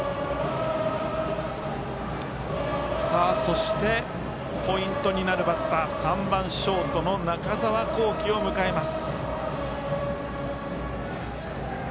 そしてポイントになるバッター３番ショートの中澤恒貴を迎えます。